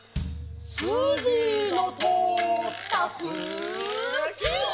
「すじのとおったふき」